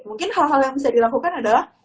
mungkin hal hal yang bisa dilakukan adalah